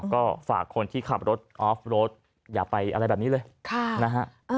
ก็ฝากคนที่ขับรถออฟรถอย่าไปอะไรแบบนี้เลยนะฮะ